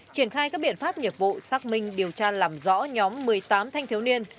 triển khai các biện pháp nghiệp vụ xác minh điều tra làm rõ nhóm một mươi tám thanh thiếu niên